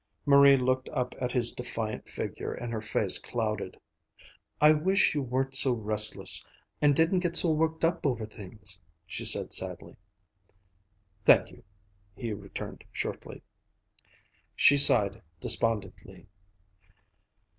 Marie looked up at his defiant figure and her face clouded. "I wish you weren't so restless, and didn't get so worked up over things," she said sadly. "Thank you," he returned shortly. She sighed despondently.